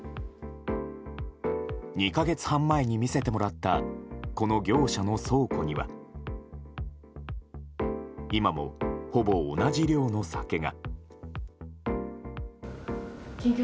２か月半前に見せてもらったこの業者の倉庫には今も、ほぼ同じ量の酒が。